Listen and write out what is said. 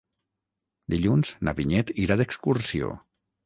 Dilluns na Vinyet irà d'excursió.